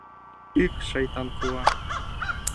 Ык, шайтан кува!